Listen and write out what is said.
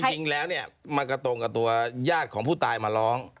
จริงแล้วเนี่ยมันก็ตรงกับตัวญาติของผู้ตายมาร้อง